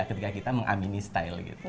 ketika kita mengamini style gitu